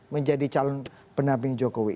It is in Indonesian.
menjadi calon penamping jokowi